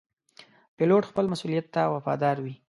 پیلوټ خپل مسؤولیت ته وفادار وي.